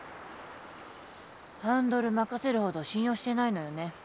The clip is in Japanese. ハンドル任せるほど信用してないのよね